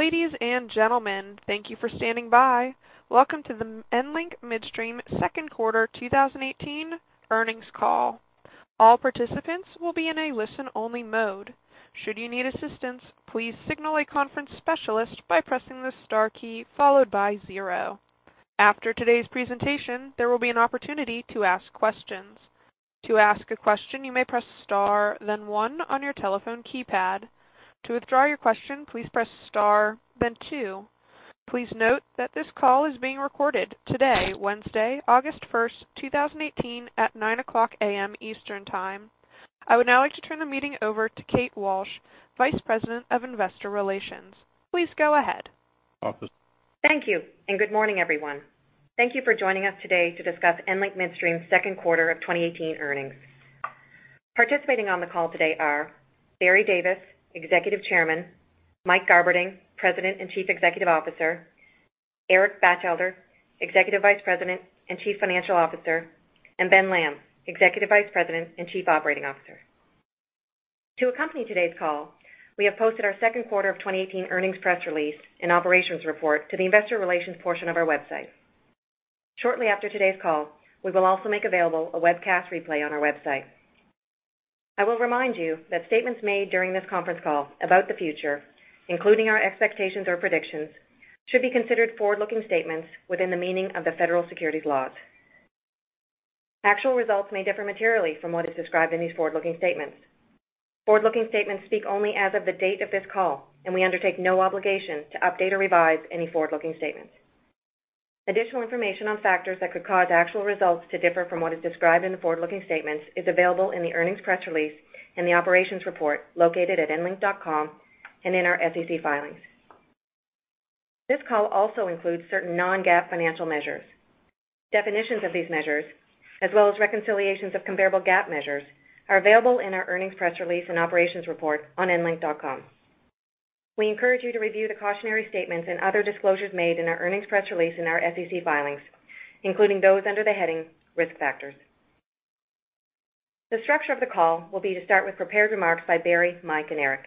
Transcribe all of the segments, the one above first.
Ladies and gentlemen, thank you for standing by. Welcome to the EnLink Midstream second quarter 2018 earnings call. All participants will be in a listen-only mode. Should you need assistance, please signal a conference specialist by pressing the star key followed by zero. After today's presentation, there will be an opportunity to ask questions. To ask a question, you may press star then one on your telephone keypad. To withdraw your question, please press star then two. Please note that this call is being recorded today, Wednesday, August first, 2018, at 9:00 A.M. Eastern Time. I would now like to turn the meeting over to Kate Walsh, Vice President of Investor Relations. Please go ahead. Thank you. Good morning, everyone. Thank you for joining us today to discuss EnLink Midstream's second quarter of 2018 earnings. Participating on the call today are Barry Davis, Executive Chairman, Mike Garberding, President and Chief Executive Officer, Eric Batchelder, Executive Vice President and Chief Financial Officer, and Ben Lamb, Executive Vice President and Chief Operating Officer. To accompany today's call, we have posted our second quarter of 2018 earnings press release and operations report to the investor relations portion of our website. Shortly after today's call, we will also make available a webcast replay on our website. I will remind you that statements made during this conference call about the future, including our expectations or predictions, should be considered forward-looking statements within the meaning of the federal securities laws. Actual results may differ materially from what is described in these forward-looking statements. Forward-looking statements speak only as of the date of this call. We undertake no obligation to update or revise any forward-looking statements. Additional information on factors that could cause actual results to differ from what is described in the forward-looking statements is available in the earnings press release and the operations report located at enlink.com and in our SEC filings. This call also includes certain non-GAAP financial measures. Definitions of these measures, as well as reconciliations of comparable GAAP measures, are available in our earnings press release and operations report on enlink.com. We encourage you to review the cautionary statements and other disclosures made in our earnings press release and our SEC filings, including those under the heading Risk Factors. The structure of the call will be to start with prepared remarks by Barry, Mike, and Eric.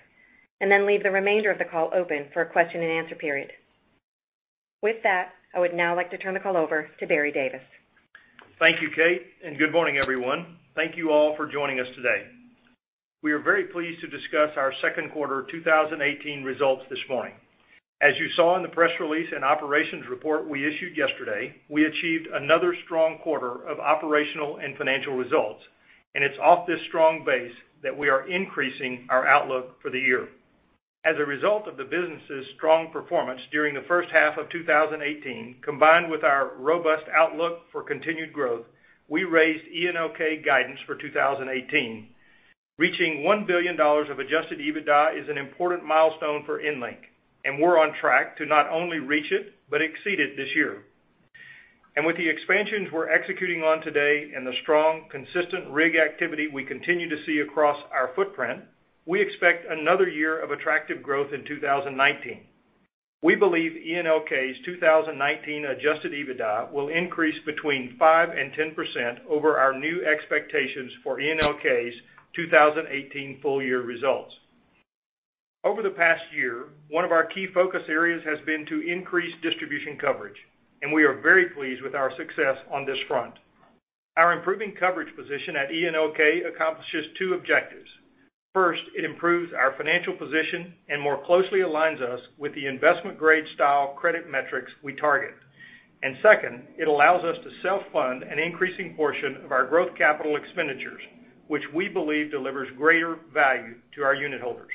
Then leave the remainder of the call open for a question and answer period. With that, I would now like to turn the call over to Barry Davis. Thank you, Kate. Good morning, everyone. Thank you all for joining us today. We are very pleased to discuss our second quarter 2018 results this morning. As you saw in the press release and operations report we issued yesterday, we achieved another strong quarter of operational and financial results. It's off this strong base that we are increasing our outlook for the year. As a result of the business' strong performance during the first half of 2018, combined with our robust outlook for continued growth, we raised ENLK guidance for 2018. Reaching $1 billion of adjusted EBITDA is an important milestone for EnLink. We're on track to not only reach it, but exceed it this year. With the expansions we're executing on today and the strong, consistent rig activity we continue to see across our footprint, we expect another year of attractive growth in 2019. We believe ENLK's 2019 adjusted EBITDA will increase between 5% and 10% over our new expectations for ENLK's 2018 full-year results. Over the past year, one of our key focus areas has been to increase distribution coverage. We are very pleased with our success on this front. Our improving coverage position at ENLK accomplishes two objectives. First, it improves our financial position and more closely aligns us with the investment-grade style credit metrics we target. Second, it allows us to self-fund an increasing portion of our growth capital expenditures, which we believe delivers greater value to our unitholders.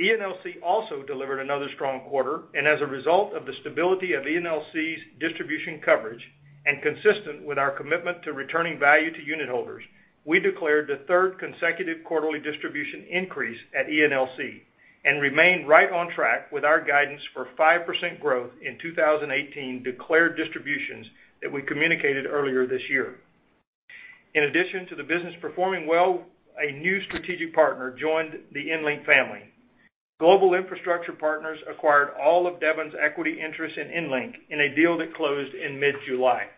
ENLC also delivered another strong quarter. As a result of the stability of ENLC's distribution coverage and consistent with our commitment to returning value to unitholders, we declared the third consecutive quarterly distribution increase at ENLC and remain right on track with our guidance for 5% growth in 2018 declared distributions that we communicated earlier this year. In addition to the business performing well, a new strategic partner joined the EnLink family. Global Infrastructure Partners acquired all of Devon's equity interest in EnLink in a deal that closed in mid-July.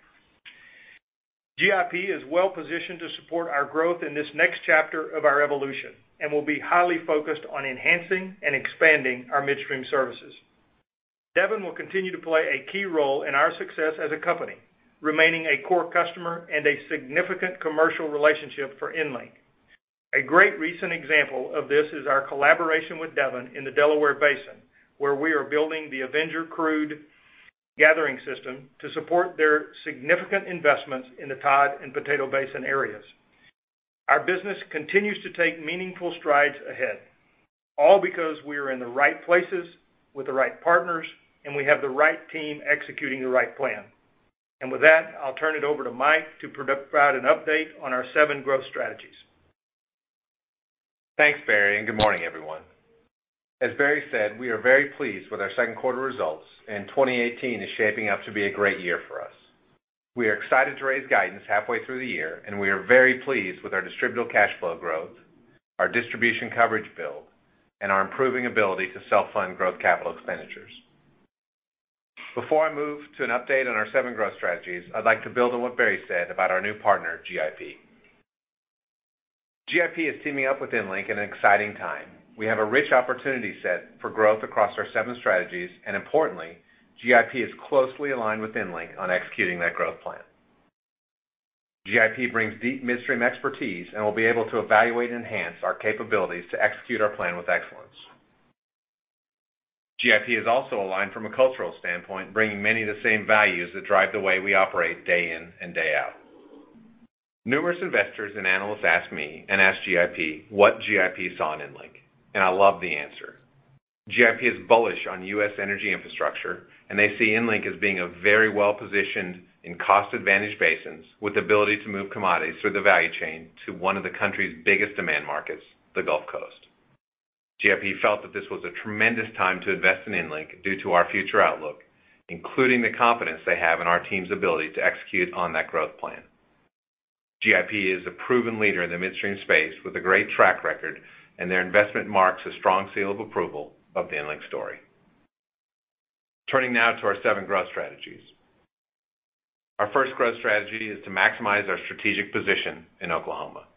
GIP is well-positioned to support our growth in this next chapter of our evolution and will be highly focused on enhancing and expanding our midstream services. Devon will continue to play a key role in our success as a company, remaining a core customer and a significant commercial relationship for EnLink. A great recent example of this is our collaboration with Devon in the Delaware Basin, where we are building the Avenger Crude gathering system to support their significant investments in the Todd and Potato Basin areas. Our business continues to take meaningful strides ahead, all because we are in the right places with the right partners. We have the right team executing the right plan. With that, I'll turn it over to Mike to provide an update on our seven growth strategies. Thanks, Barry, and good morning, everyone. As Barry said, we are very pleased with our second quarter results. 2018 is shaping up to be a great year for us. We are excited to raise guidance halfway through the year. We are very pleased with our distributable cash flow growth, our distribution coverage build, and our improving ability to self-fund growth capital expenditures. Before I move to an update on our seven growth strategies, I'd like to build on what Barry said about our new partner, GIP. GIP is teaming up with EnLink in an exciting time. We have a rich opportunity set for growth across our seven strategies. Importantly, GIP is closely aligned with EnLink on executing that growth plan. GIP brings deep midstream expertise and will be able to evaluate and enhance our capabilities to execute our plan with excellence. GIP is also aligned from a cultural standpoint, bringing many of the same values that drive the way we operate day in and day out. Numerous investors and analysts ask me and ask GIP what GIP saw in EnLink. I love the answer. GIP is bullish on U.S. energy infrastructure. They see EnLink as being very well-positioned in cost-advantaged basins with the ability to move commodities through the value chain to one of the country's biggest demand markets, the Gulf Coast. GIP felt that this was a tremendous time to invest in EnLink due to our future outlook, including the confidence they have in our team's ability to execute on that growth plan. GIP is a proven leader in the midstream space with a great track record. Their investment marks a strong seal of approval of the EnLink story. Turning now to our seven growth strategies. Our first growth strategy is to maximize our strategic position in Oklahoma.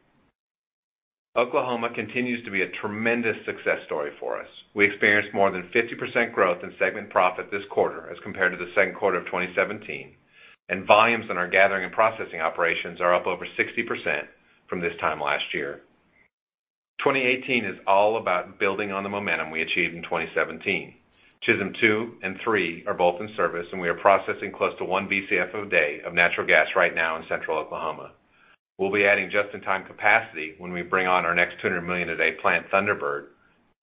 Oklahoma continues to be a tremendous success story for us. We experienced more than 50% growth in segment profit this quarter as compared to the second quarter of 2017. Volumes in our gathering and processing operations are up over 60% from this time last year. 2018 is all about building on the momentum we achieved in 2017. Chisholm II and Chisholm III are both in service. We are processing close to 1 Bcf a day of natural gas right now in Central Oklahoma. We'll be adding just-in-time capacity when we bring on our next 200 million a day plant, Thunderbird,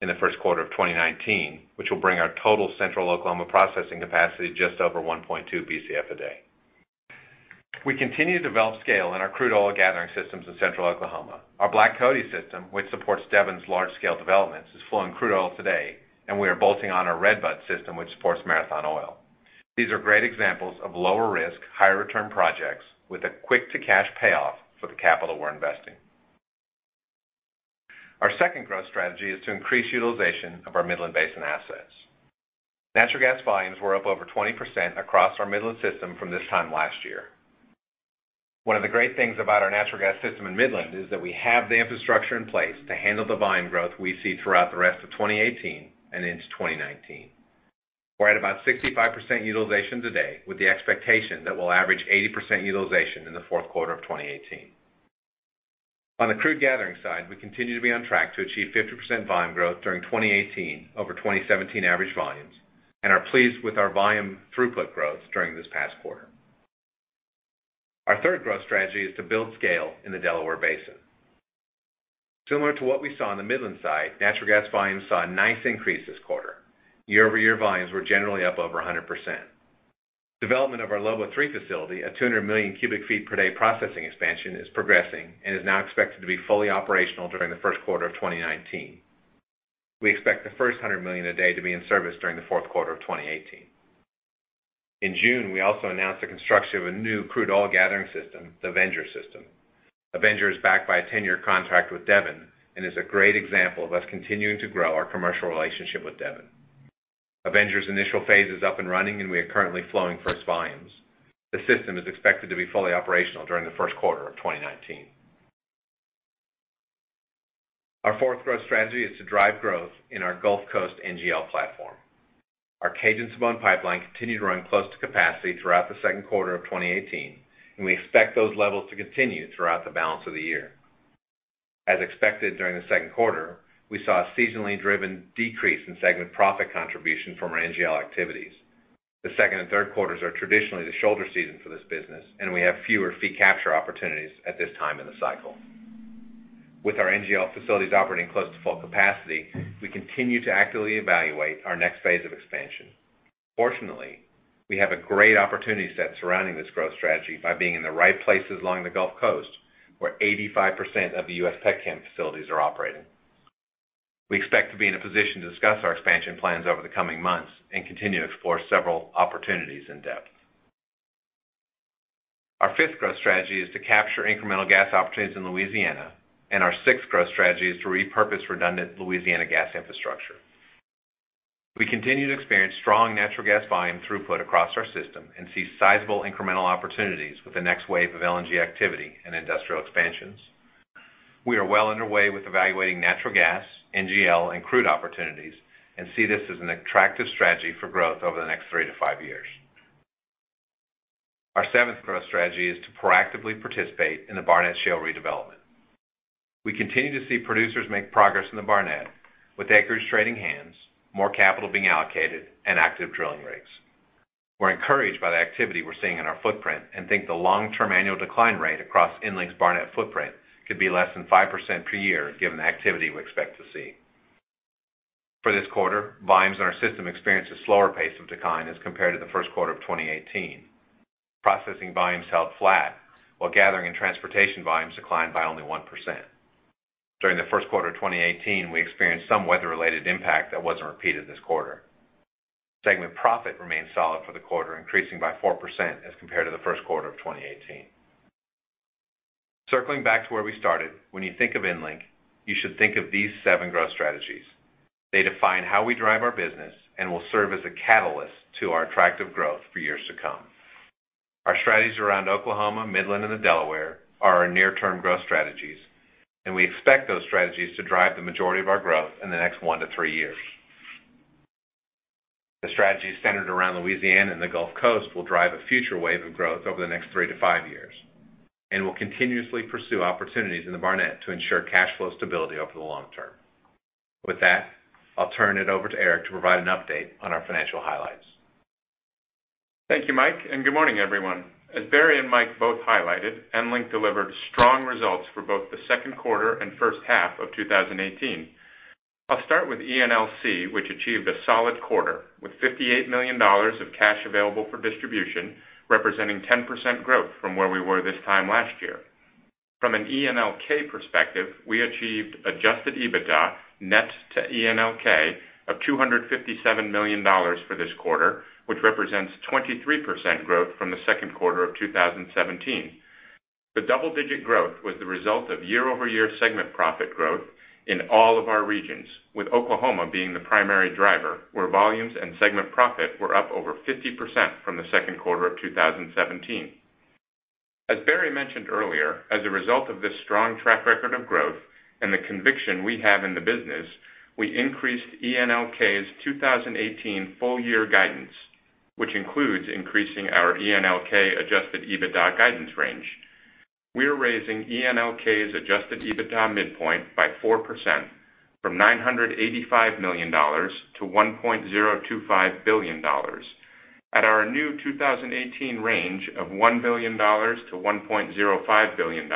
in the first quarter of 2019, which will bring our total Central Oklahoma processing capacity to just over 1.2 Bcf a day. We continue to develop scale in our crude oil gathering systems in Central Oklahoma. Our Black Coyote system, which supports Devon's large-scale developments, is flowing crude oil today. We are bolting on our Redbud system, which supports Marathon Oil. These are great examples of lower-risk, higher-return projects with a quick-to-cash payoff for the capital we're investing. Our second growth strategy is to increase utilization of our Midland Basin assets. Natural gas volumes were up over 20% across our Midland system from this time last year. One of the great things about our natural gas system in Midland is that we have the infrastructure in place to handle the volume growth we see throughout the rest of 2018 and into 2019. We are at about 65% utilization today, with the expectation that we will average 80% utilization in the fourth quarter of 2018. On the crude gathering side, we continue to be on track to achieve 50% volume growth during 2018 over 2017 average volumes and are pleased with our volume throughput growth during this past quarter. Our third growth strategy is to build scale in the Delaware Basin. Similar to what we saw on the Midland side, natural gas volumes saw a nice increase this quarter. Year-over-year volumes were generally up over 100%. Development of our Lobo III facility, a 200 million cubic feet per day processing expansion, is progressing and is now expected to be fully operational during the first quarter of 2019. We expect the first 100 million a day to be in service during the fourth quarter of 2018. In June, we also announced the construction of a new crude oil gathering system, the Avenger system. Avenger is backed by a 10-year contract with Devon and is a great example of us continuing to grow our commercial relationship with Devon. Avenger’s initial phase is up and running, and we are currently flowing first volumes. The system is expected to be fully operational during the first quarter of 2019. Our fourth growth strategy is to drive growth in our Gulf Coast NGL platform. Our Cajun-Sibon pipeline continued to run close to capacity throughout the second quarter of 2018. We expect those levels to continue throughout the balance of the year. As expected during the second quarter, we saw a seasonally driven decrease in segment profit contribution from our NGL activities. The second and third quarters are traditionally the shoulder season for this business. We have fewer fee capture opportunities at this time in the cycle. With our NGL facilities operating close to full capacity, we continue to actively evaluate our next phase of expansion. Fortunately, we have a great opportunity set surrounding this growth strategy by being in the right places along the Gulf Coast, where 85% of the U.S. petchem facilities are operating. We expect to be in a position to discuss our expansion plans over the coming months and continue to explore several opportunities in depth. Our fifth growth strategy is to capture incremental gas opportunities in Louisiana. Our sixth growth strategy is to repurpose redundant Louisiana gas infrastructure. We continue to experience strong natural gas volume throughput across our system and see sizable incremental opportunities with the next wave of LNG activity and industrial expansions. We are well underway with evaluating natural gas, NGL, and crude opportunities and see this as an attractive strategy for growth over the next three to five years. Our seventh growth strategy is to proactively participate in the Barnett Shale redevelopment. We continue to see producers make progress in the Barnett, with acres trading hands, more capital being allocated, and active drilling rigs. We are encouraged by the activity we are seeing in our footprint and think the long-term annual decline rate across EnLink’s Barnett footprint could be less than 5% per year given the activity we expect to see. For this quarter, volumes in our system experienced a slower pace of decline as compared to the first quarter of 2018. Processing volumes held flat, while gathering and transportation volumes declined by only 1%. During the first quarter of 2018, we experienced some weather-related impact that wasn't repeated this quarter. Segment profit remained solid for the quarter, increasing by 4% as compared to the first quarter of 2018. Circling back to where we started, when you think of EnLink, you should think of these seven growth strategies. They define how we drive our business and will serve as a catalyst to our attractive growth for years to come. Our strategies around Oklahoma, Midland, and the Delaware are our near-term growth strategies, and we expect those strategies to drive the majority of our growth in the next one to three years. The strategies centered around Louisiana and the Gulf Coast will drive a future wave of growth over the next three to five years, and we'll continuously pursue opportunities in the Barnett to ensure cash flow stability over the long term. With that, I'll turn it over to Eric to provide an update on our financial highlights. Thank you, Mike, and good morning, everyone. As Barry and Mike both highlighted, EnLink delivered strong results for both the second quarter and first half of 2018. I'll start with ENLC, which achieved a solid quarter, with $58 million of cash available for distribution, representing 10% growth from where we were this time last year. From an ENLK perspective, we achieved adjusted EBITDA net to ENLK of $257 million for this quarter, which represents 23% growth from the second quarter of 2017. The double-digit growth was the result of year-over-year segment profit growth in all of our regions, with Oklahoma being the primary driver, where volumes and segment profit were up over 50% from the second quarter of 2017. As Barry mentioned earlier, as a result of this strong track record of growth and the conviction we have in the business, we increased ENLK's 2018 full-year guidance, which includes increasing our ENLK adjusted EBITDA guidance range. We are raising ENLK's adjusted EBITDA midpoint by 4%, from $985 million-$1.025 billion. At our new 2018 range of $1 billion-$1.05 billion,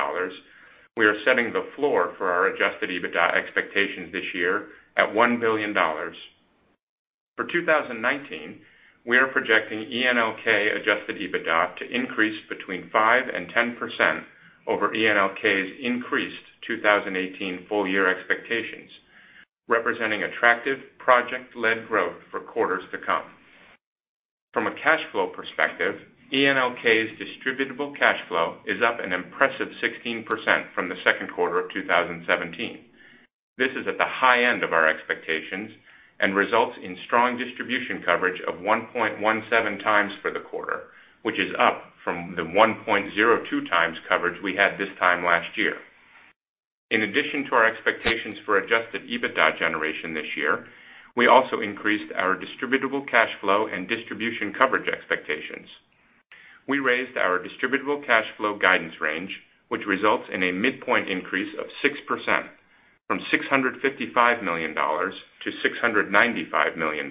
we are setting the floor for our adjusted EBITDA expectations this year at $1 billion. For 2019, we are projecting ENLK adjusted EBITDA to increase between 5% and 10% over ENLK's increased 2018 full-year expectations, representing attractive project-led growth for quarters to come. From a cash flow perspective, ENLK's distributable cash flow is up an impressive 16% from the second quarter of 2017. This is at the high end of our expectations and results in strong distribution coverage of 1.17 times for the quarter, which is up from the 1.02 times coverage we had this time last year. In addition to our expectations for adjusted EBITDA generation this year, we also increased our distributable cash flow and distribution coverage expectations. We raised our distributable cash flow guidance range, which results in a midpoint increase of 6%, from $655 million-$695 million,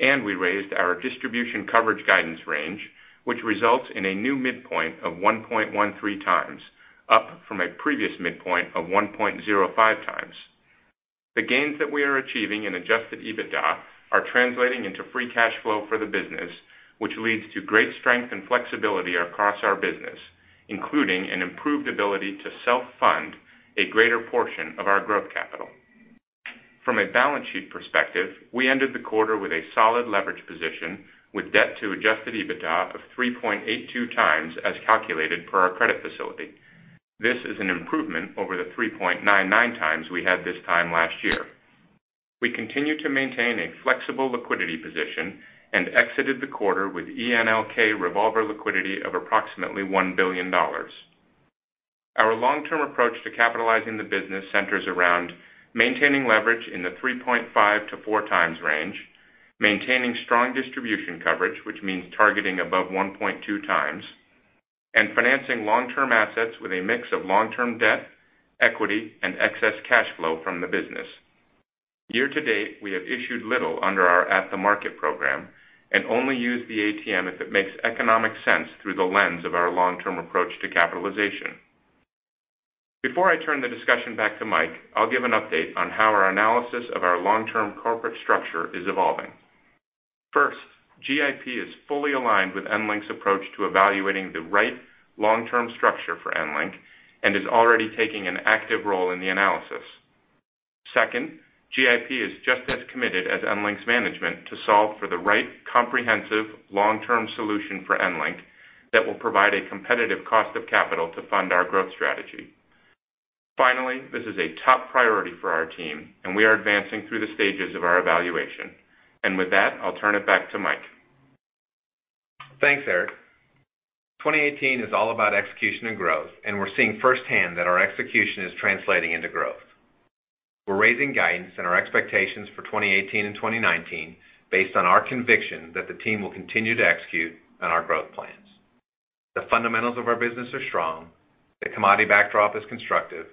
and we raised our distribution coverage guidance range, which results in a new midpoint of 1.13 times, up from a previous midpoint of 1.05 times. The gains that we are achieving in adjusted EBITDA are translating into free cash flow for the business, which leads to great strength and flexibility across our business, including an improved ability to self-fund a greater portion of our growth capital. From a balance sheet perspective, we ended the quarter with a solid leverage position with debt to adjusted EBITDA of 3.82 times as calculated per our credit facility. This is an improvement over the 3.99 times we had this time last year. We continue to maintain a flexible liquidity position and exited the quarter with ENLK revolver liquidity of approximately $1 billion. Our long-term approach to capitalizing the business centers around maintaining leverage in the 3.5-4 times range, maintaining strong distribution coverage, which means targeting above 1.2 times, and financing long-term assets with a mix of long-term debt, equity, and excess cash flow from the business. Year to date, we have issued little under our at-the-market program and only use the ATM if it makes economic sense through the lens of our long-term approach to capitalization. Before I turn the discussion back to Mike, I'll give an update on how our analysis of our long-term corporate structure is evolving. First, GIP is fully aligned with EnLink's approach to evaluating the right long-term structure for EnLink and is already taking an active role in the analysis. Second, GIP is just as committed as EnLink's management to solve for the right comprehensive long-term solution for EnLink that will provide a competitive cost of capital to fund our growth strategy. Finally, this is a top priority for our team, and we are advancing through the stages of our evaluation. With that, I'll turn it back to Mike. Thanks, Eric. 2018 is all about execution and growth, and we're seeing firsthand that our execution is translating into growth. We're raising guidance and our expectations for 2018 and 2019 based on our conviction that the team will continue to execute on our growth plans. The fundamentals of our business are strong, the commodity backdrop is constructive,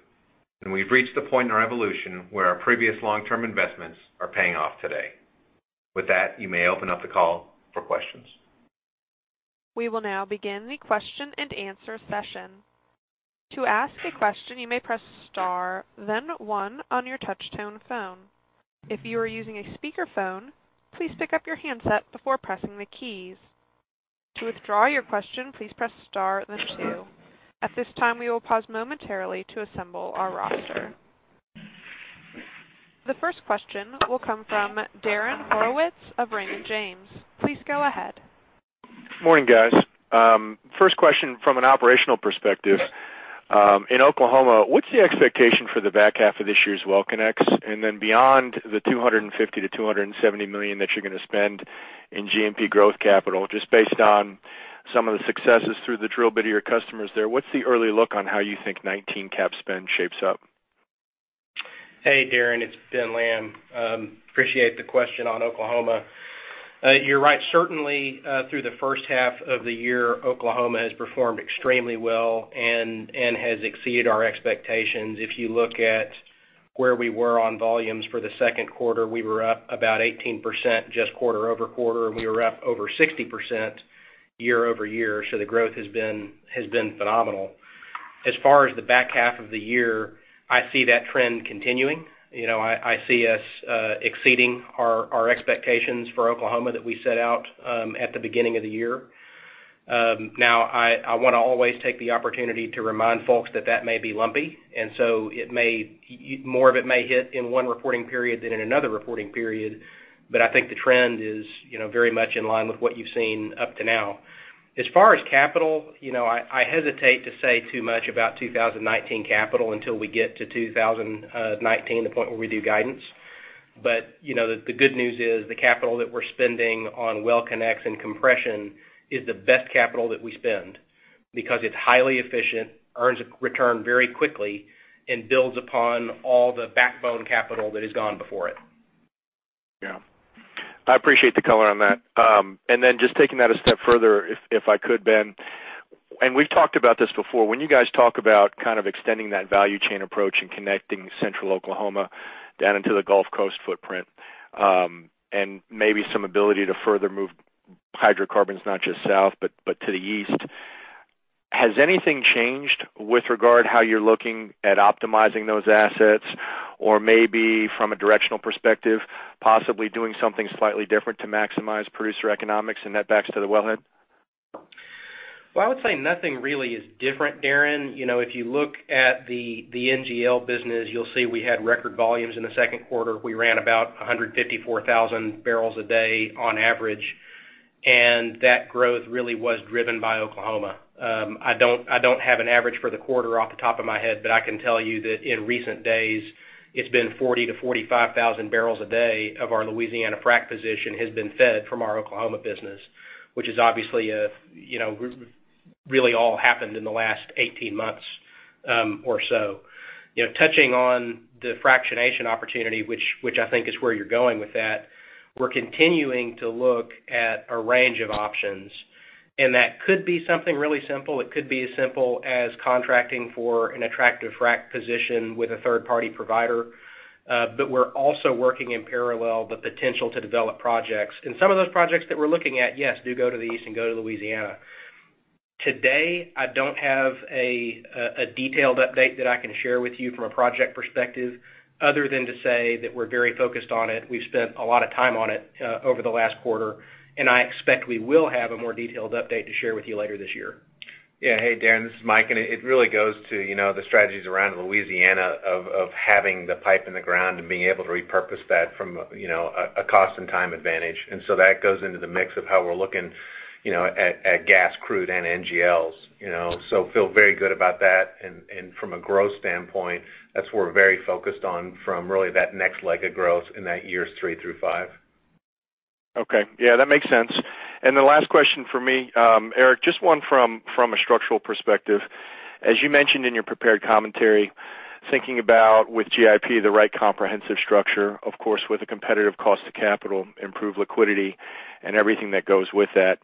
and we've reached the point in our evolution where our previous long-term investments are paying off today. With that, you may open up the call for questions. We will now begin the question-and-answer session. To ask a question, you may press star then one on your touch-tone phone. If you are using a speakerphone, please pick up your handset before pressing the keys. To withdraw your question, please press star then two. At this time, we will pause momentarily to assemble our roster. The first question will come from Darren Horowitz of Raymond James. Please go ahead. Morning, guys. First question from an operational perspective. In Oklahoma, what's the expectation for the back half of this year's well connects? Beyond the $250 million-$270 million that you're going to spend in G&P growth capital, just based on some of the successes through the drill bit of your customers there, what's the early look on how you think 2019 cap spend shapes up? Hey, Darren, it's Ben Lamb. Appreciate the question on Oklahoma. You're right. Certainly, through the first half of the year, Oklahoma has performed extremely well and has exceeded our expectations. If you look at where we were on volumes for the second quarter, we were up about 18% just quarter-over-quarter, and we were up over 60% year-over-year. The growth has been phenomenal. As far as the back half of the year, I see that trend continuing. I see us exceeding our expectations for Oklahoma that we set out at the beginning of the year. I want to always take the opportunity to remind folks that that may be lumpy, more of it may hit in one reporting period than in another reporting period. I think the trend is very much in line with what you've seen up to now. As far as capital, I hesitate to say too much about 2019 capital until we get to 2019, the point where we do guidance. The good news is the capital that we're spending on well connects and compression is the best capital that we spend because it's highly efficient, earns a return very quickly, and builds upon all the backbone capital that has gone before it. Yeah. I appreciate the color on that. Just taking that a step further, if I could, Ben, we've talked about this before. When you guys talk about extending that value chain approach and connecting central Oklahoma down into the Gulf Coast footprint, maybe some ability to further move hydrocarbons, not just south, but to the east, has anything changed with regard how you're looking at optimizing those assets? Or maybe from a directional perspective, possibly doing something slightly different to maximize producer economics and netbacks to the wellhead? Well, I would say nothing really is different, Darren. If you look at the NGL business, you'll see we had record volumes in the second quarter. We ran about 154,000 barrels a day on average, that growth really was driven by Oklahoma. I don't have an average for the quarter off the top of my head, but I can tell you that in recent days, it's been 40,000 to 45,000 barrels a day of our Louisiana frack position has been fed from our Oklahoma business, which has obviously really all happened in the last 18 months or so. Touching on the fractionation opportunity, which I think is where you're going with that, we're continuing to look at a range of options. That could be something really simple. It could be as simple as contracting for an attractive frack position with a third-party provider. We're also working in parallel the potential to develop projects. Some of those projects that we're looking at, yes, do go to the east and go to Louisiana. Today, I don't have a detailed update that I can share with you from a project perspective other than to say that we're very focused on it. We've spent a lot of time on it over the last quarter. I expect we will have a more detailed update to share with you later this year. Yeah. Hey, Darren, this is Mike, it really goes to the strategies around Louisiana of having the pipe in the ground and being able to repurpose that from a cost and time advantage. That goes into the mix of how we're looking at gas crude and NGLs. Feel very good about that. From a growth standpoint, that's what we're very focused on from really that next leg of growth in that years three through five. Okay. Yeah, that makes sense. The last question for me, Eric, just one from a structural perspective. As you mentioned in your prepared commentary, thinking about with GIP, the right comprehensive structure, of course, with a competitive cost of capital, improved liquidity, and everything that goes with that.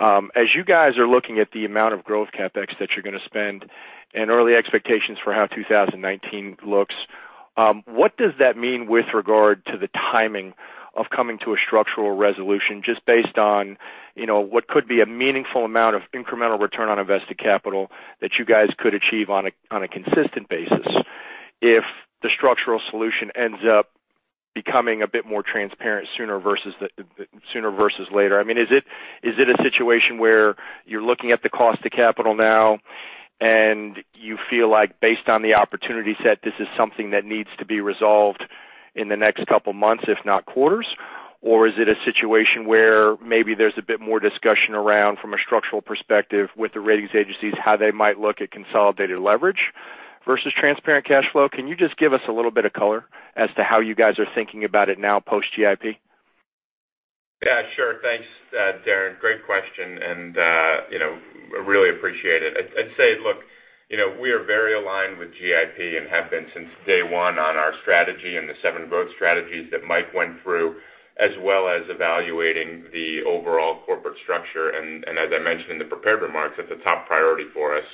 As you guys are looking at the amount of growth CapEx that you're going to spend and early expectations for how 2019 looks, what does that mean with regard to the timing of coming to a structural resolution just based on what could be a meaningful amount of incremental return on invested capital that you guys could achieve on a consistent basis if the structural solution ends up becoming a bit more transparent sooner versus later? Is it a situation where you're looking at the cost of capital now, and you feel like based on the opportunity set, this is something that needs to be resolved in the next couple of months, if not quarters? Is it a situation where maybe there's a bit more discussion around from a structural perspective with the ratings agencies, how they might look at consolidated leverage versus transparent cash flow? Can you just give us a little bit of color as to how you guys are thinking about it now post GIP? Yeah, sure. Thanks, Darren. Great question, and really appreciate it. I'd say, look, we are very aligned with GIP and have been since day one on our strategy and the seven growth strategies that Mike went through, as well as evaluating the overall corporate structure. As I mentioned in the prepared remarks, that's a top priority for us.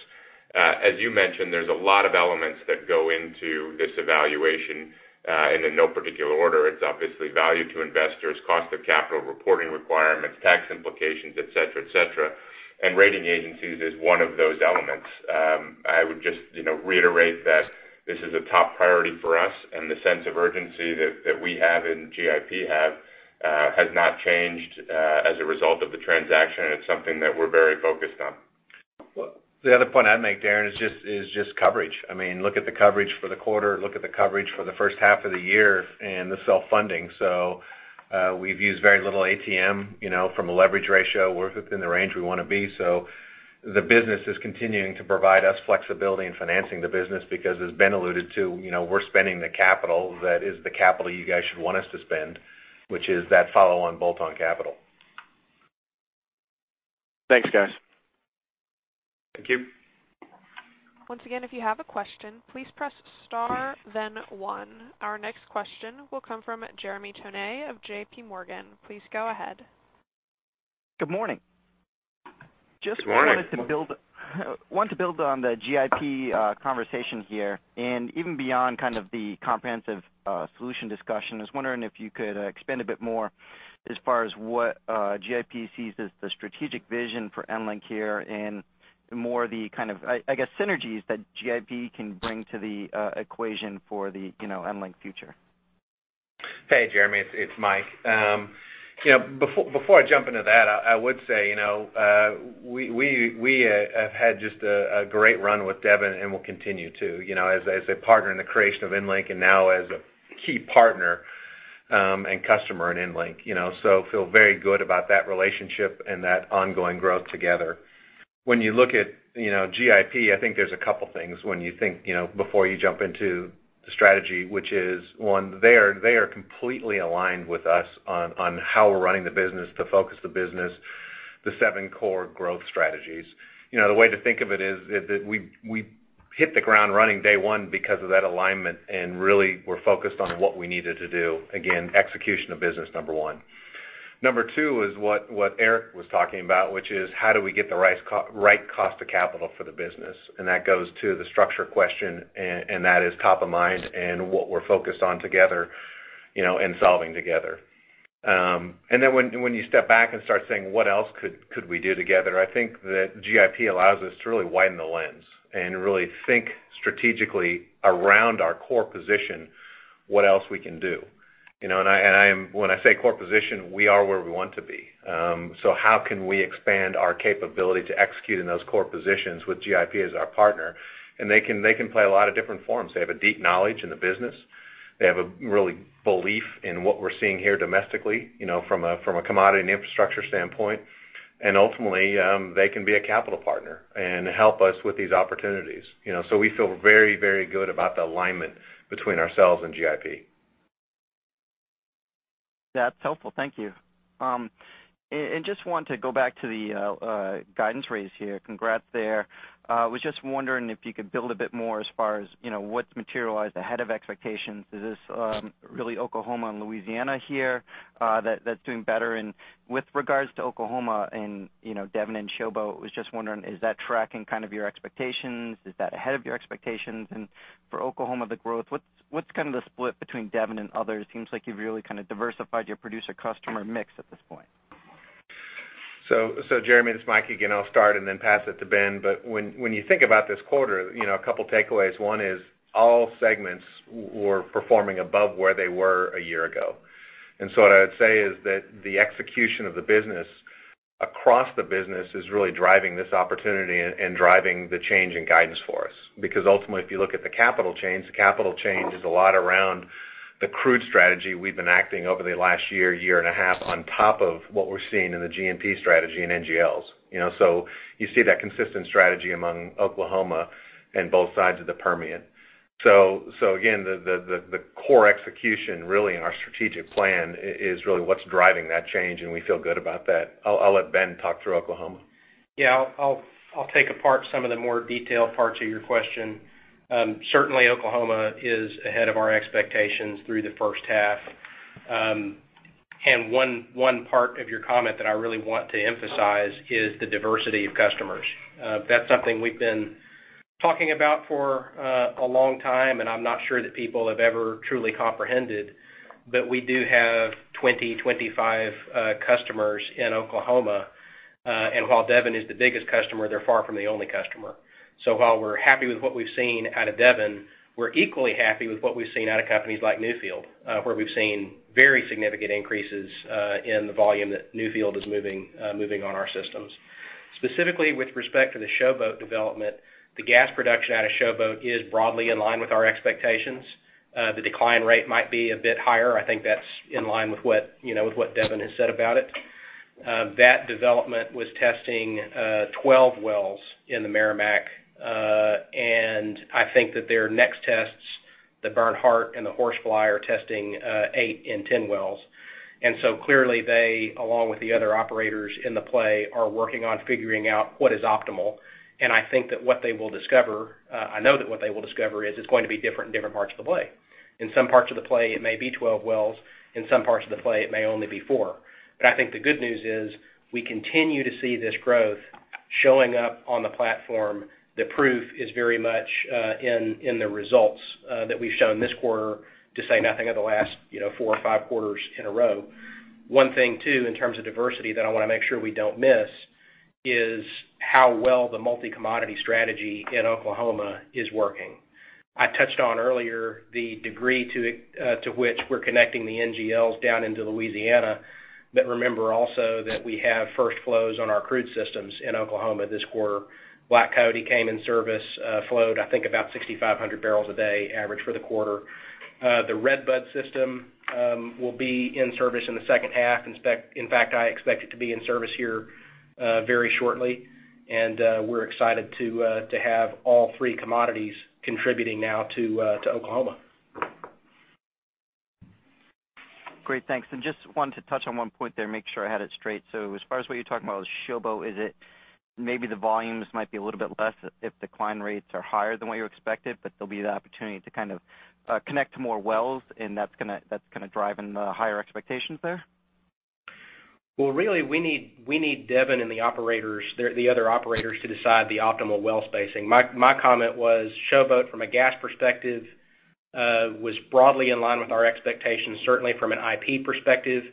As you mentioned, there's a lot of elements that go into this evaluation, and in no particular order, it's obviously value to investors, cost of capital, reporting requirements, tax implications, et cetera. Rating agencies is one of those elements. I would just reiterate that this is a top priority for us, and the sense of urgency that we have and GIP have has not changed as a result of the transaction. It's something that we're very focused on. The other point I'd make, Darren, is just coverage. Look at the coverage for the quarter, look at the coverage for the first half of the year, and the self-funding. We've used very little ATM from a leverage ratio. We're within the range we want to be. The business is continuing to provide us flexibility in financing the business because as Ben alluded to, we're spending the capital that is the capital you guys should want us to spend, which is that follow-on bolt-on capital. Thanks, guys. Thank you. Once again, if you have a question, please press star, then one. Our next question will come from Jeremy Tonet of JPMorgan. Please go ahead. Good morning. Good morning. Just wanted to build on the GIP conversation here, even beyond kind of the comprehensive solution discussion. I was wondering if you could expand a bit more as far as what GIP sees as the strategic vision for EnLink here and more the kind of, I guess, synergies that GIP can bring to the equation for the EnLink future. Hey, Jeremy, it's Mike. Before I jump into that, I would say, we have had just a great run with Devon and will continue to. As a partner in the creation of EnLink and now as a key partner and customer in EnLink. Feel very good about that relationship and that ongoing growth together. When you look at GIP, I think there's a couple things when you think before you jump into the strategy, which is, one, they are completely aligned with us on how we're running the business, to focus the business, the seven core growth strategies. The way to think of it is that we hit the ground running day one because of that alignment, really we're focused on what we needed to do. Again, execution of business, number one. Number two is what Eric was talking about, which is how do we get the right cost of capital for the business? That goes to the structure question, that is top of mind and what we're focused on together, and solving together. When you step back and start saying, "What else could we do together?" I think that GIP allows us to really widen the lens and really think strategically around our core position what else we can do. When I say core position, we are where we want to be. How can we expand our capability to execute in those core positions with GIP as our partner? They can play a lot of different forms. They have a deep knowledge in the business. They have a really belief in what we're seeing here domestically from a commodity and infrastructure standpoint. Ultimately, they can be a capital partner and help us with these opportunities. We feel very, very good about the alignment between ourselves and GIP. That's helpful. Thank you. Just want to go back to the guidance raise here. Congrats there. Was just wondering if you could build a bit more as far as what's materialized ahead of expectations. Is this really Oklahoma and Louisiana here that's doing better? With regards to Oklahoma and Devon and Showboat, was just wondering, is that tracking kind of your expectations? Is that ahead of your expectations? For Oklahoma, the growth, what's kind of the split between Devon and others? Seems like you've really kind of diversified your producer customer mix at this point. Jeremy, it's Mike again. I'll start and then pass it to Ben. When you think about this quarter, a couple takeaways. One is all segments were performing above where they were a year ago. What I would say is that the execution of the business across the business is really driving this opportunity and driving the change in guidance for us. Because ultimately, if you look at the capital change, the capital change is a lot around the crude strategy we've been acting over the last year, a year and a half, on top of what we're seeing in the G&P strategy and NGLs. You see that consistent strategy among Oklahoma and both sides of the Permian. Again, the core execution really and our strategic plan is really what's driving that change, and we feel good about that. I'll let Ben talk through Oklahoma. Yeah. I'll take apart some of the more detailed parts of your question. Certainly, Oklahoma is ahead of our expectations through the first half. One part of your comment that I really want to emphasize is the diversity of customers. That's something we've been talking about for a long time, and I'm not sure that people have ever truly comprehended. We do have 20, 25 customers in Oklahoma. While Devon is the biggest customer, they're far from the only customer. While we're happy with what we've seen out of Devon, we're equally happy with what we've seen out of companies like Newfield. Where we've seen very significant increases in the volume that Newfield is moving on our systems. Specifically with respect to the Showboat development, the gas production out of Showboat is broadly in line with our expectations. The decline rate might be a bit higher. I think that's in line with what Devon has said about it. That development was testing 12 wells in the Meramec. I think that their next tests, the Bernhardt and the Horsefly, are testing 8 and 10 wells. Clearly they, along with the other operators in the play, are working on figuring out what is optimal. I know that what they will discover is it's going to be different in different parts of the play. In some parts of the play, it may be 12 wells. In some parts of the play, it may only be four. I think the good news is we continue to see this growth showing up on the platform. The proof is very much in the results that we've shown this quarter, to say nothing of the last four or five quarters in a row. One thing, too, in terms of diversity that I want to make sure we don't miss is how well the multi-commodity strategy in Oklahoma is working. I touched on earlier the degree to which we're connecting the NGLs down into Louisiana. Remember also that we have first flows on our crude systems in Oklahoma this quarter. Black Coyote came in service, flowed, I think, about 6,500 barrels a day average for the quarter. The Redbud system will be in service in the second half. In fact, I expect it to be in service here very shortly. We're excited to have all three commodities contributing now to Oklahoma. Great. Thanks. Just wanted to touch on one point there, make sure I had it straight. As far as what you're talking about with Showboat, is it maybe the volumes might be a little bit less if decline rates are higher than what you expected, but there'll be the opportunity to kind of connect to more wells, and that's going to drive in the higher expectations there? Well, really, we need Devon and the other operators to decide the optimal well spacing. My comment was Showboat, from a gas perspective, was broadly in line with our expectations, certainly from an IP perspective.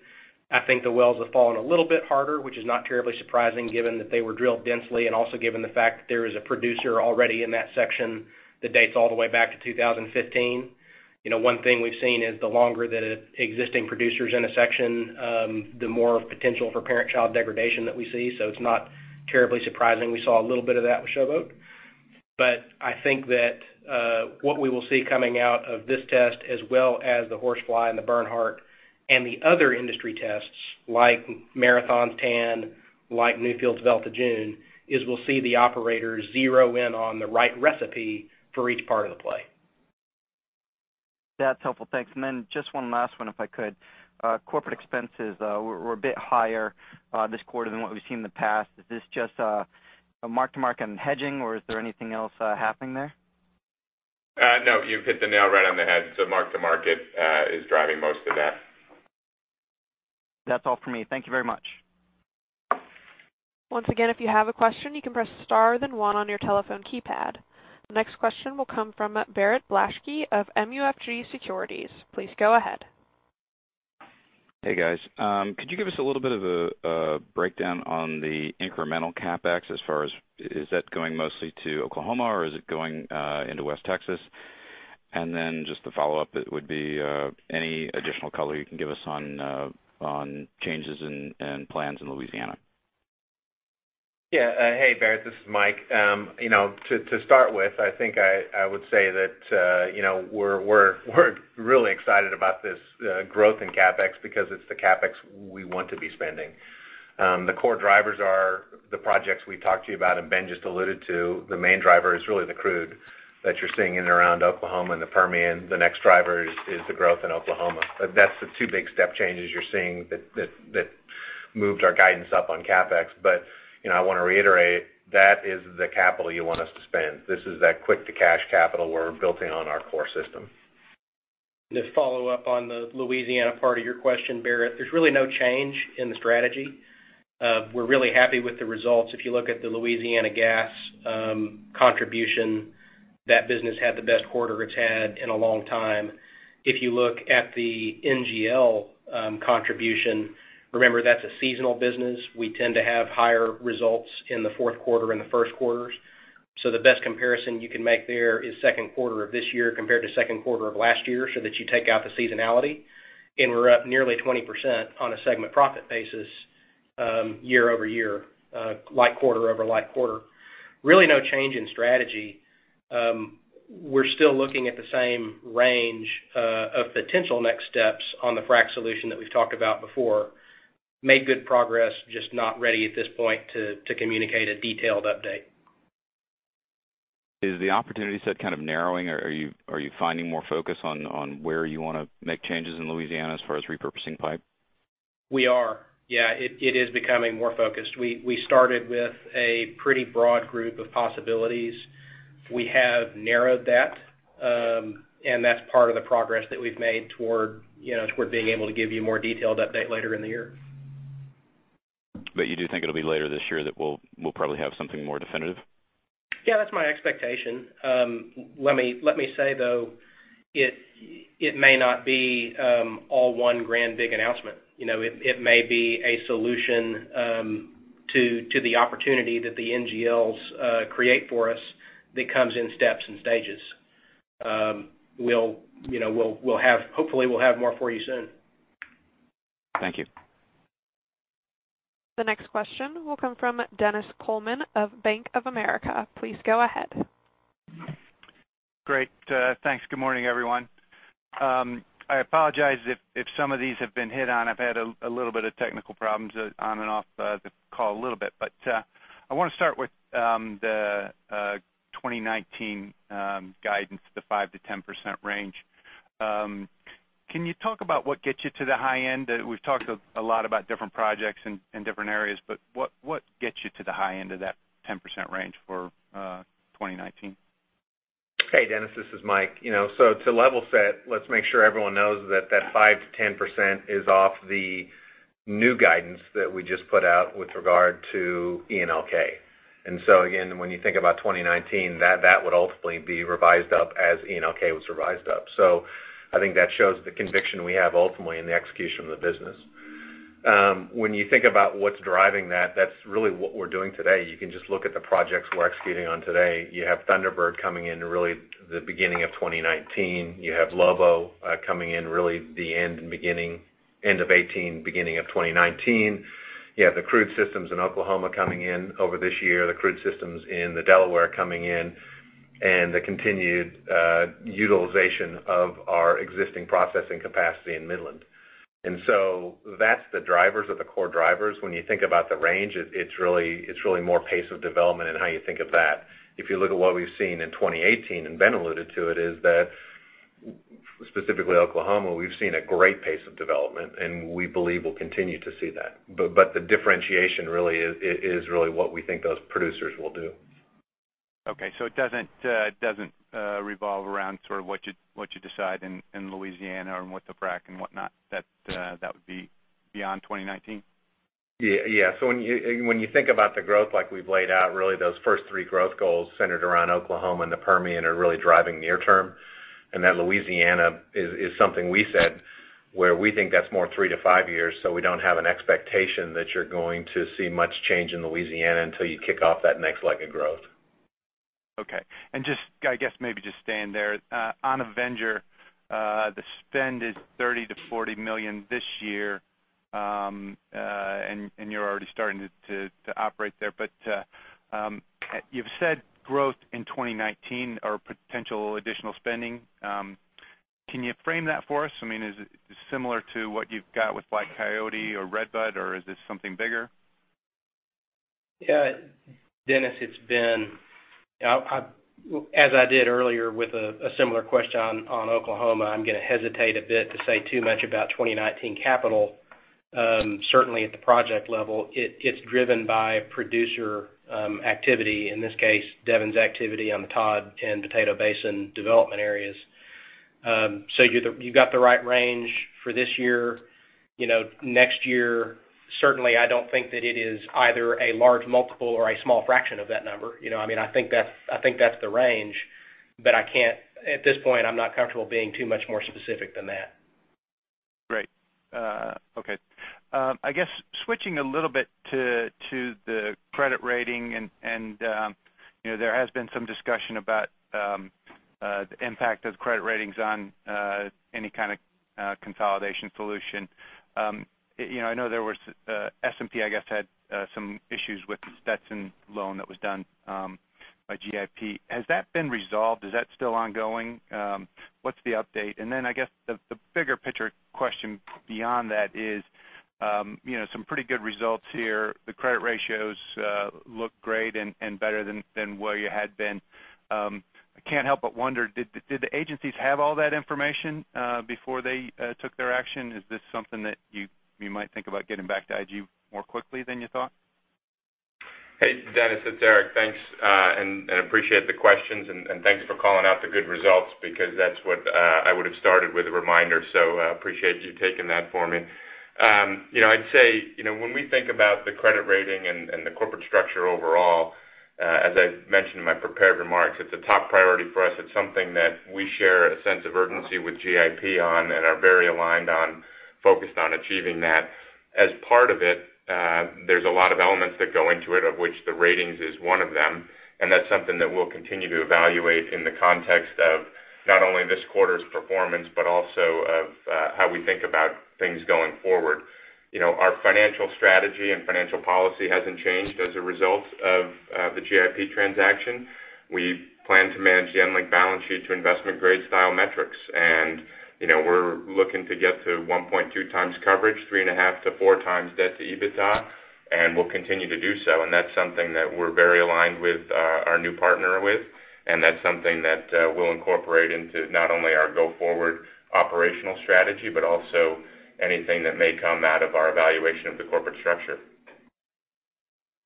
I think the wells have fallen a little bit harder, which is not terribly surprising given that they were drilled densely and also given the fact that there is a producer already in that section that dates all the way back to 2015. One thing we've seen is the longer that an existing producer's in a section, the more potential for parent-child degradation that we see. It's not terribly surprising. We saw a little bit of that with Showboat. I think that what we will see coming out of this test, as well as the Horsefly and the Bernhardt and the other industry tests like Marathon's Stag, like Newfield's Velta June, is we'll see the operators zero in on the right recipe for each part of the play. That's helpful. Thanks. Then just one last one, if I could. Corporate expenses were a bit higher this quarter than what we've seen in the past. Is this just a mark-to-market on hedging, or is there anything else happening there? No, you've hit the nail right on the head. Mark-to-market is driving most of that. That's all for me. Thank you very much. Once again, if you have a question, you can press star, then 1 on your telephone keypad. The next question will come from Barrett Blaschke of MUFG Securities. Please go ahead. Hey, guys. Could you give us a little bit of a breakdown on the incremental CapEx as far as is that going mostly to Oklahoma, or is it going into West Texas? Just the follow-up would be any additional color you can give us on changes in plans in Louisiana. Yeah. Hey, Barrett, this is Mike. To start with, I think I would say that we're really excited about this growth in CapEx because it's the CapEx we want to be spending. The core drivers are the projects we talked to you about, and Ben just alluded to. The main driver is really the crude that you're seeing in around Oklahoma and the Permian. The next driver is the growth in Oklahoma. That's the two big step changes you're seeing that moved our guidance up on CapEx. I want to reiterate, that is the capital you want us to spend. This is that quick-to-cash capital we're building on our core system. Just follow up on the Louisiana part of your question, Barrett. There's really no change in the strategy. We're really happy with the results. If you look at the Louisiana gas contribution, that business had the best quarter it's had in a long time. If you look at the NGL contribution, remember, that's a seasonal business. We tend to have higher results in the fourth quarter and the first quarters. The best comparison you can make there is second quarter of this year compared to second quarter of last year so that you take out the seasonality, and we're up nearly 20% on a segment profit basis year-over-year, like quarter over like quarter. Really no change in strategy. We're still looking at the same range of potential next steps on the frac solution that we've talked about before. Made good progress, just not ready at this point to communicate a detailed update. Is the opportunity set kind of narrowing? Are you finding more focus on where you want to make changes in Louisiana as far as repurposing pipe? We are. Yeah, it is becoming more focused. We started with a pretty broad group of possibilities. We have narrowed that, and that's part of the progress that we've made toward being able to give you a more detailed update later in the year. You do think it'll be later this year that we'll probably have something more definitive? Yeah, that's my expectation. Let me say, though, it may not be all one grand big announcement. It may be a solution to the opportunity that the NGLs create for us that comes in steps and stages. Hopefully, we'll have more for you soon. Thank you. The next question will come from Dennis Coleman of Bank of America. Please go ahead. Great. Thanks. Good morning, everyone. I apologize if some of these have been hit on. I've had a little bit of technical problems on and off the call a little bit. I want to start with the 2019 guidance, the 5%-10% range. Can you talk about what gets you to the high end? We've talked a lot about different projects in different areas, what gets you to the high end of that 10% range for 2019? Hey, Dennis, this is Mike. To level set, let's make sure everyone knows that 5%-10% is off the new guidance that we just put out with regard to ENLK. Again, when you think about 2019, that would ultimately be revised up as ENLK was revised up. I think that shows the conviction we have ultimately in the execution of the business. When you think about what's driving that's really what we're doing today. You can just look at the projects we're executing on today. You have Thunderbird coming in really the beginning of 2019. You have Lobo coming in really the end of 2018, beginning of 2019. You have the crude systems in Oklahoma coming in over this year, the crude systems in the Delaware coming in, and the continued utilization of our existing processing capacity in Midland. That's the drivers or the core drivers. When you think about the range, it's really more pace of development and how you think of that. If you look at what we've seen in 2018, and Ben alluded to it, is that specifically Oklahoma, we've seen a great pace of development, and we believe we'll continue to see that. The differentiation really is what we think those producers will do. Okay. It doesn't revolve around what you decide in Louisiana and with the FRAC and whatnot. That would be beyond 2019? When you think about the growth like we've laid out, really those first three growth goals centered around Oklahoma and the Permian are really driving near term. That Louisiana is something we said where we think that's more three to five years, we don't have an expectation that you're going to see much change in Louisiana until you kick off that next leg of growth. I guess maybe just staying there. On Avenger, the spend is $30 million to $40 million this year. You're already starting to operate there. You've said growth in 2019 or potential additional spending. Can you frame that for us? Is it similar to what you've got with Black Coyote or Redbud, or is this something bigger? Yeah. Dennis, it's Ben. As I did earlier with a similar question on Oklahoma, I'm going to hesitate a bit to say too much about 2019 capital. Certainly at the project level, it's driven by producer activity, in this case, Devon's activity on the Todd and Potato Basin development areas. You've got the right range for this year. Next year, certainly I don't think that it is either a large multiple or a small fraction of that number. I think that's the range, but at this point, I'm not comfortable being too much more specific than that. Great. Okay. I guess switching a little bit to the credit rating, there has been some discussion about the impact of credit ratings on any kind of consolidation solution. I know S&P, I guess, had some issues with the Stetson loan that was done by GIP. Has that been resolved? Is that still ongoing? What's the update? I guess the bigger picture question beyond that is, some pretty good results here. The credit ratios look great and better than where you had been. I can't help but wonder, did the agencies have all that information before they took their action? Is this something that you might think about getting back to IG more quickly than you thought? Hey, Dennis, it's Eric. Thanks, and appreciate the questions, and thanks for calling out the good results because that's what I would have started with a reminder. Appreciate you taking that for me. I'd say, when we think about the credit rating and the corporate structure overall, as I mentioned in my prepared remarks, it's a top priority for us. It's something that we share a sense of urgency with GIP on and are very aligned on, focused on achieving that. As part of it, there's a lot of elements that go into it, of which the ratings is one of them, and that's something that we'll continue to evaluate in the context of not only this quarter's performance, but also of how we think about things going forward. Our financial strategy and financial policy hasn't changed as a result of the GIP transaction. We plan to manage the EnLink balance sheet to investment-grade style metrics. We're looking to get to 1.2 times coverage, 3.5 to 4 times debt to EBITDA, we'll continue to do so, that's something that we're very aligned with our new partner with, that's something that we'll incorporate into not only our go-forward operational strategy, but also anything that may come out of our evaluation of the corporate structure.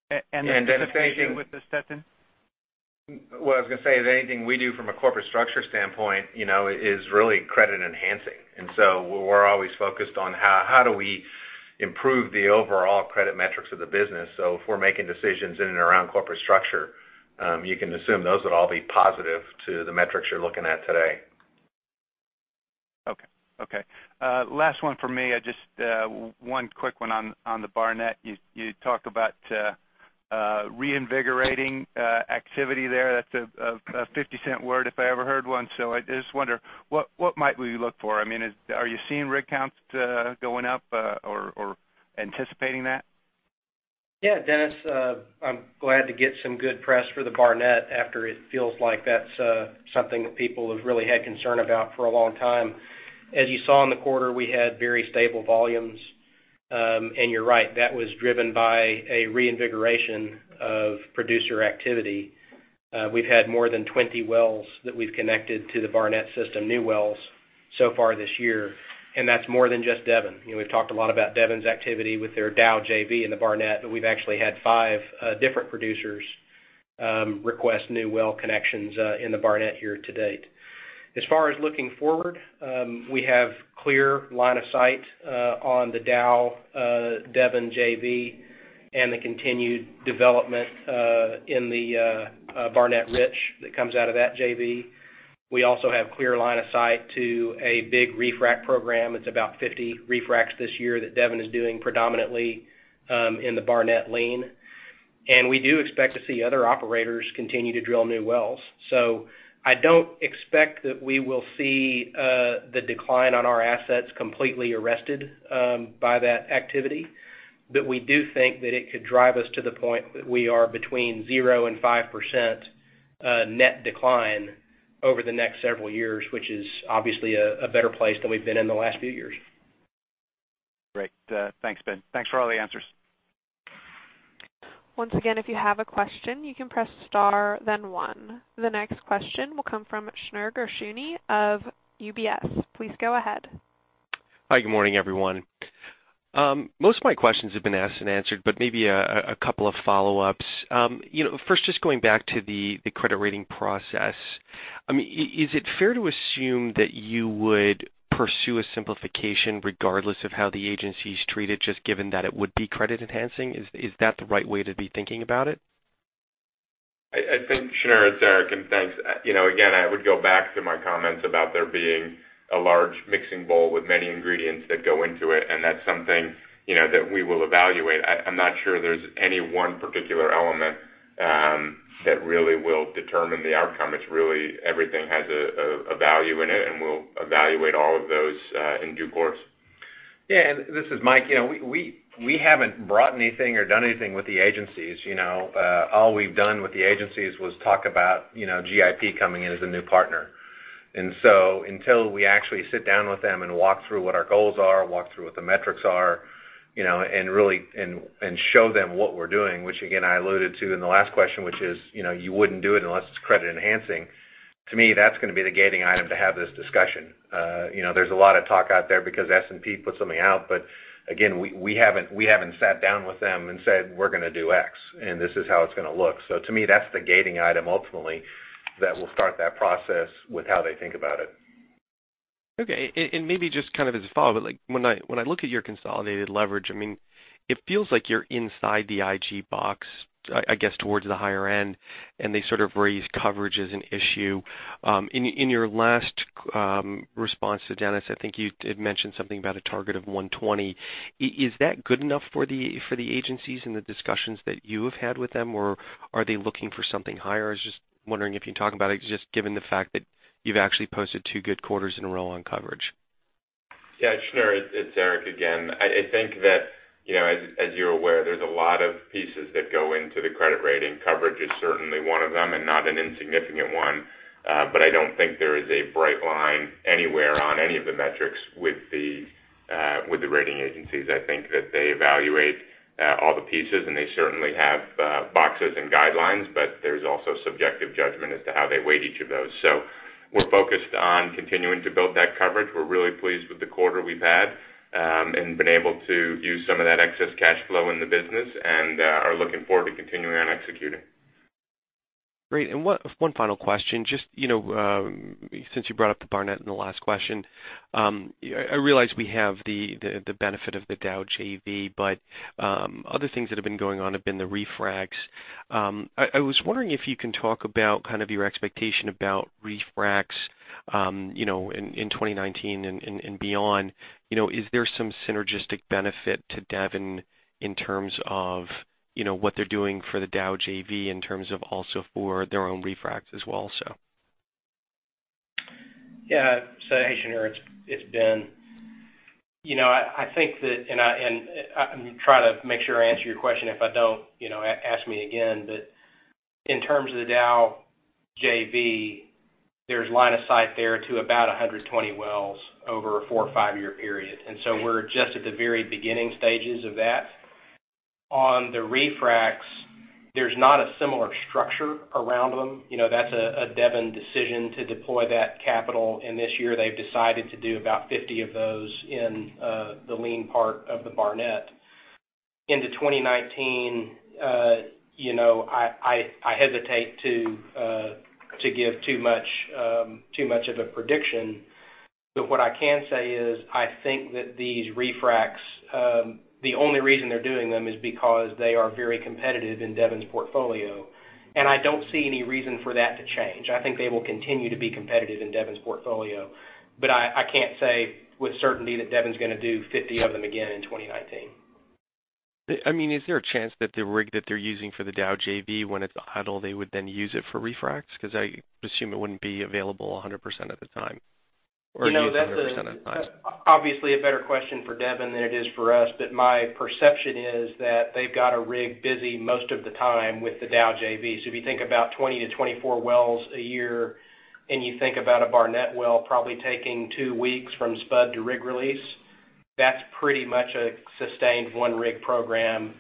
The situation with the Stetson? What I was going to say is anything we do from a corporate structure standpoint, is really credit enhancing. We're always focused on how do we improve the overall credit metrics of the business. If we're making decisions in and around corporate structure, you can assume those would all be positive to the metrics you're looking at today. Okay. Last one from me. Just one quick one on the Barnett. You talked about reinvigorating activity there. That's a 50-cent word if I ever heard one. I just wonder, what might we look for? Are you seeing rig counts going up or anticipating that? Dennis. I'm glad to get some good press for the Barnett after it feels like that's something that people have really had concern about for a long time. You saw in the quarter, we had very stable volumes. You're right, that was driven by a reinvigoration of producer activity. We've had more than 20 wells that we've connected to the Barnett system, new wells so far this year, and that's more than just Devon. We've talked a lot about Devon's activity with their Dow JV in the Barnett, we've actually had 5 different producers request new well connections in the Barnett year to date. Far as looking forward, we have clear line of sight on the Dow Devon JV and the continued development in the Barnett Rich that comes out of that JV. We also have clear line of sight to a big refrac program. It's about 50 refracts this year that Devon is doing predominantly in the Barnett Lean. We do expect to see other operators continue to drill new wells. I don't expect that we will see the decline on our assets completely arrested by that activity. We do think that it could drive us to the point that we are between 0%-5% net decline over the next several years, which is obviously a better place than we've been in the last few years. Great. Thanks, Ben. Thanks for all the answers. Once again, if you have a question, you can press star then 1. The next question will come from Shneur Gershuni of UBS. Please go ahead. Hi, good morning, everyone. Most of my questions have been asked and answered, but maybe a couple of follow-ups. First, just going back to the credit rating process. Is it fair to assume that you would pursue a simplification regardless of how the agencies treated, just given that it would be credit enhancing? Is that the right way to be thinking about it? I think, Shneur, it's Eric, and thanks. Again, I would go back to my comments about there being a large mixing bowl with many ingredients that go into it, and that's something that we will evaluate. I'm not sure there's any one particular element that really will determine the outcome. It's really everything has a value in it, and we'll evaluate all of those in due course. Yeah, this is Mike. We haven't brought anything or done anything with the agencies. All we've done with the agencies was talk about GIP coming in as a new partner. Until we actually sit down with them and walk through what our goals are, walk through what the metrics are, and show them what we're doing, which again, I alluded to in the last question, which is, you wouldn't do it unless it's credit enhancing. To me, that's going to be the gating item to have this discussion. There's a lot of talk out there because S&P put something out. Again, we haven't sat down with them and said, "We're going to do X, and this is how it's going to look." To me, that's the gating item ultimately that will start that process with how they think about it. Okay. Maybe just as a follow-up, when I look at your consolidated leverage, it feels like you're inside the IG box, I guess, towards the higher end, and they sort of raise coverage as an issue. In your last response to Dennis, I think you did mention something about a target of 120. Is that good enough for the agencies and the discussions that you have had with them, or are they looking for something higher? I was just wondering if you can talk about it, just given the fact that you've actually posted two good quarters in a row on coverage. Yeah. Shneur, it's Eric again. I think that, as you're aware, there's a lot of pieces that go into the credit rating. Coverage is certainly one of them, and not an insignificant one. I don't think there is a bright line anywhere on any of the metrics with the rating agencies. I think that they evaluate all the pieces, and they certainly have boxes and guidelines, but there's also subjective judgment as to how they weight each of those. We're focused on continuing to build that coverage. We're really pleased with the quarter we've had, and been able to use some of that excess cash flow in the business, and are looking forward to continuing on executing. Great. One final question, since you brought up the Barnett in the last question. I realize we have the benefit of the Dow JV, but other things that have been going on have been the refracs. I was wondering if you can talk about your expectation about refracs, in 2019 and beyond. Is there some synergistic benefit to Devon in terms of what they're doing for the Dow JV in terms of also for their own refracs as well also? Yeah. Hey, Shneur, it's Ben. I'm trying to make sure I answer your question. If I don't, ask me again. In terms of the Dow JV, there's line of sight there to about 120 wells over a four or five-year period. We're just at the very beginning stages of that. On the refracs, there's not a similar structure around them. That's a Devon decision to deploy that capital, and this year they've decided to do about 50 of those in the lean part of the Barnett. Into 2019, I hesitate to give too much of a prediction. What I can say is, I think that these refracs, the only reason they're doing them is because they are very competitive in Devon's portfolio, and I don't see any reason for that to change. I think they will continue to be competitive in Devon's portfolio. I can't say with certainty that Devon's going to do 50 of them again in 2019. Is there a chance that the rig that they're using for the Dow JV, when it's idle, they would then use it for refracs? Because I assume it wouldn't be available 100% of the time. Or used 100% of the time. That's obviously a better question for Devon than it is for us. My perception is that they've got a rig busy most of the time with the Dow JV. If you think about 20-24 wells a year, and you think about a Barnett well probably taking two weeks from spud to rig release, that's pretty much a sustained one-rig program.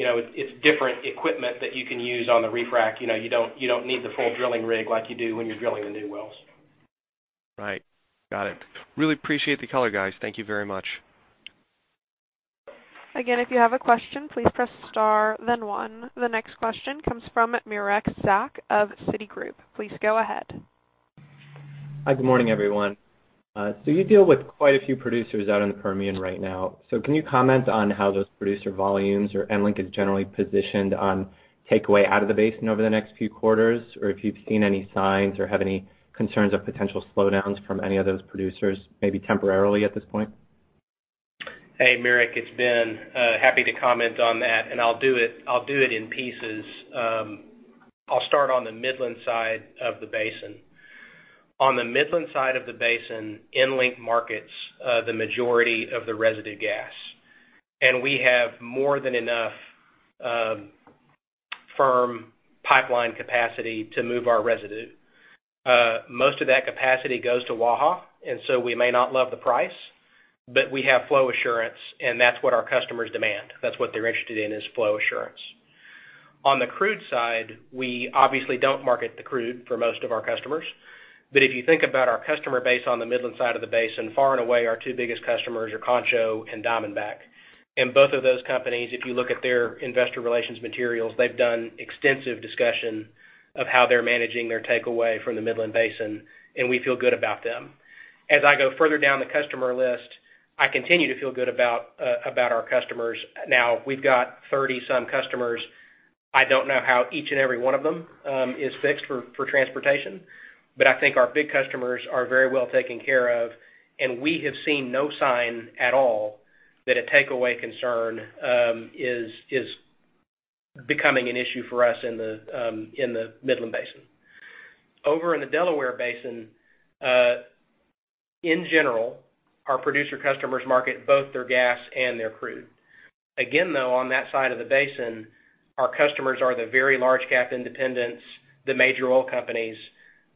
It's different equipment that you can use on the refrac. You don't need the full drilling rig like you do when you're drilling the new wells. Right. Got it. Really appreciate the color, guys. Thank you very much. Again, if you have a question, please press star then one. The next question comes from Mirek Zak of Citigroup. Please go ahead. Hi, good morning, everyone. You deal with quite a few producers out in the Permian right now. Can you comment on how those producer volumes or EnLink is generally positioned on takeaway out of the basin over the next few quarters, or if you've seen any signs or have any concerns of potential slowdowns from any of those producers, maybe temporarily at this point? Hey, Mirek, it's Ben. Happy to comment on that. I'll do it in pieces. I'll start on the Midland side of the basin. On the Midland side of the basin, EnLink markets the majority of the residue gas. We have more than enough firm pipeline capacity to move our residue. Most of that capacity goes to Waha. We may not love the price, but we have flow assurance. That's what our customers demand. That's what they're interested in is flow assurance. On the crude side, we obviously don't market the crude for most of our customers. If you think about our customer base on the Midland side of the basin, far and away, our two biggest customers are Concho and Diamondback. Both of those companies, if you look at their investor relations materials, they've done extensive discussion of how they're managing their takeaway from the Midland Basin. We feel good about them. As I go further down the customer list, I continue to feel good about our customers. We've got 30 some customers. I don't know how each and every one of them is fixed for transportation. I think our big customers are very well taken care of. We have seen no sign at all that a takeaway concern is becoming an issue for us in the Midland Basin. Over in the Delaware Basin, in general, our producer customers market both their gas and their crude. Again, though, on that side of the basin, our customers are the very large cap independents, the major oil companies.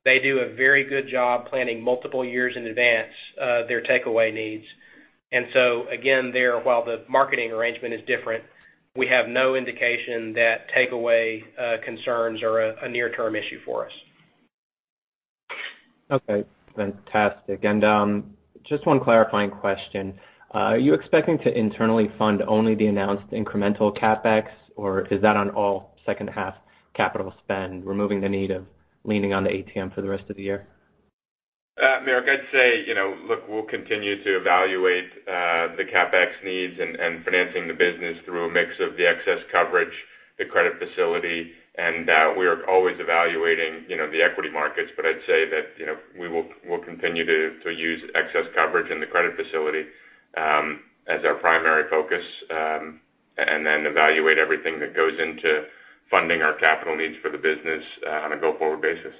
They do a very good job planning multiple years in advance their takeaway needs. Again, there, while the marketing arrangement is different, we have no indication that takeaway concerns are a near-term issue for us. Okay, fantastic. Just one clarifying question. Are you expecting to internally fund only the announced incremental CapEx, or is that on all second half capital spend, removing the need of leaning on the ATM for the rest of the year? Mirek, I'd say, look, we'll continue to evaluate the CapEx needs, financing the business through a mix of the excess coverage, the credit facility. We are always evaluating the equity markets. I'd say that we'll continue to use excess coverage in the credit facility as our primary focus, then evaluate everything that goes into funding our capital needs for the business on a go-forward basis.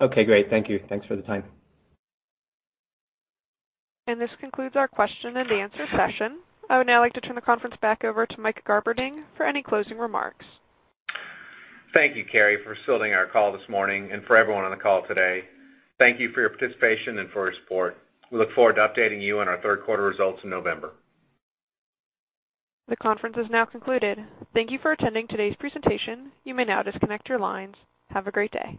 Okay, great. Thank you. Thanks for the time. This concludes our question and answer session. I would now like to turn the conference back over to Mike Garberding for any closing remarks. Thank you, Carrie, for fielding our call this morning and for everyone on the call today. Thank you for your participation and for your support. We look forward to updating you on our third quarter results in November. The conference is now concluded. Thank you for attending today's presentation. You may now disconnect your lines. Have a great day.